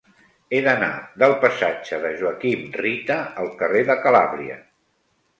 He d'anar del passatge de Joaquim Rita al carrer de Calàbria.